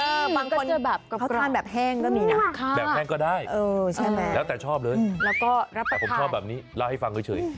เฮ่ยบางคนเขาทานแบบแห้งก็มีนะค่ะแบบแห้งก็ได้แล้วแต่ชอบเลยแต่ผมชอบแบบนี้เล่าให้ฟังก็เฉย